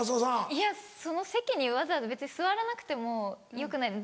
いやその席にわざわざ別に座らなくてもよくないですか。